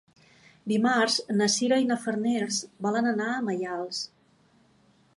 Dimarts na Sira i na Farners volen anar a Maials.